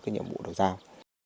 cái nhiệm vụ được giao